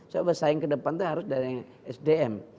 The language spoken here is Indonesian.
soalnya persaingan ke depan itu harus dari sdm